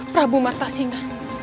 prabu marta singa